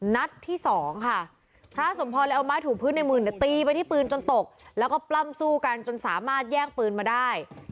นัดที่สองค่ะพระสมพรเลยเอาไม้ถูกพื้นในมือเนี่ยตีไปที่ปืนจนตกแล้วก็ปล้ำสู้กันจนสามารถแย่งปืนมาได้